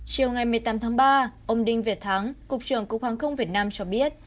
chiều ngày một mươi tám tháng ba ông đinh việt thắng cục trưởng cục hàng không việt nam cho biết